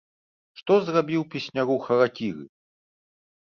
Што зрабіў песняру харакіры!